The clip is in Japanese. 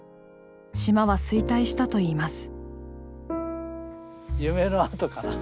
島は衰退したといいます。